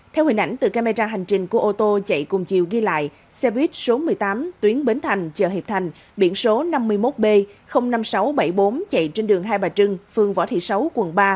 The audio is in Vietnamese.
theo hình ảnh từ camera hành trình của ô tô chạy cùng chiều ghi lại xe buýt số một mươi tám tuyến bến thành chợ hiệp thành biển số năm mươi một b năm nghìn sáu trăm bảy mươi bốn chạy trên đường hai bà trưng phương võ thị sáu quận ba